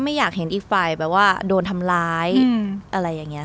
ไม่อยากเห็นอีกฝ่ายแบบว่าโดนทำร้ายอะไรอย่างนี้ค่ะ